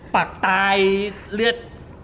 ปากตายเลือด